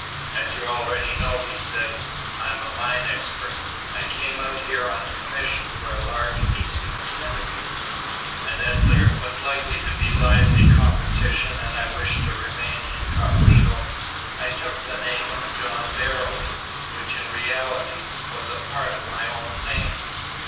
"As you already know," he said, "I am a mine expert. I came out here on a commission for a large eastern syndicate, and as there was likely to be lively competition and I wished to remain incognito, I took the name of John Darrell, which in reality was a part of my own name.